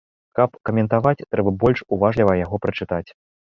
Каб каментаваць, трэба больш уважліва яго прачытаць.